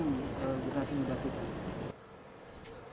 jadi kita berhasil menjatuhkan